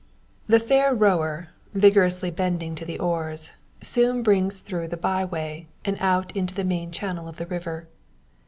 The fair rower, vigorously bending to the oars, soon brings through the bye way, and out into the main channel of the river.